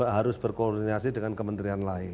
harus berkoordinasi dengan kementerian lain